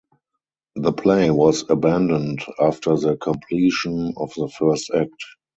The play was abandoned after the completion of the first act.